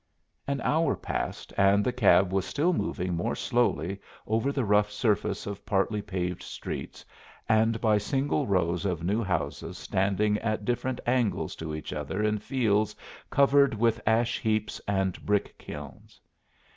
An hour passed, and the cab was still moving more slowly over the rough surface of partly paved streets, and by single rows of new houses standing at different angles to each other in fields covered with ash heaps and brick kilns.